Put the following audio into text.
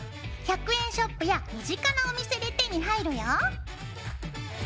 １００円ショップや身近なお店で手に入るよ。